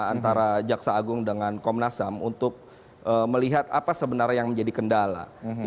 antara jaksa agung dengan komnas ham untuk melihat apa sebenarnya yang menjadi kendala